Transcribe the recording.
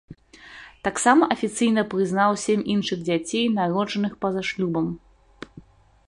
Таксама афіцыйна прызнаў сем іншых дзяцей, народжаных па-за шлюбам.